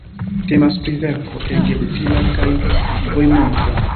Temas pri verko ege utila kaj vojmontra.